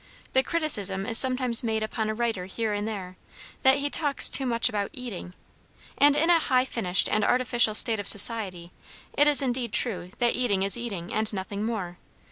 The criticism is sometimes made upon a writer here and there, that he talks too much about eating; and in a high finished and artificial state of society it is indeed true that eating is eating, and nothing more.